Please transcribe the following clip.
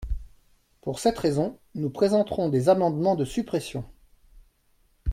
Pour cette raison, nous présenterons des amendements de suppression.